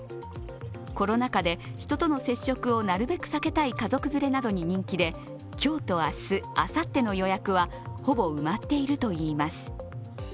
コロナ禍で人との接触をなるべく避けたい家族連れなどに人気で今日と明日、あさっての予約はほぼ埋まっているといいます。